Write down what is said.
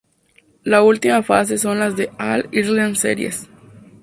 La última fase son las All-Ireland Series.